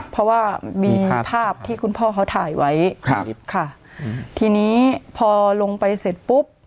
เพราะว่ามีภาพที่คุณพ่อเขาถ่ายไว้ครับคลิปค่ะทีนี้พอลงไปเสร็จปุ๊บ